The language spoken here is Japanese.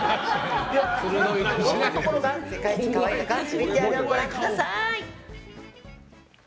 どんなところが世界一可愛いのかＶＴＲご覧ください。